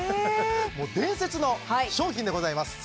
もう伝説の商品でございます